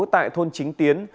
tại thôn chính tiến